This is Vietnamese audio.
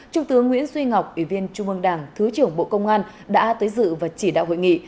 trung tướng nguyễn duy ngọc ủy viên trung ương đảng thứ trưởng bộ công an đã tới dự và chỉ đạo hội nghị